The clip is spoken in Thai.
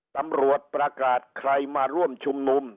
ตำรวจประกาศใครมาร่วมชุมนุม